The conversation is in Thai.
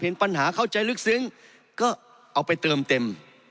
ปัญหาเข้าใจลึกซึ้งก็เอาไปเติมเต็ม